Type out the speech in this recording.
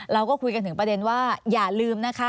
เราก็คุยกันถึงประเด็นว่าอย่าลืมนะคะ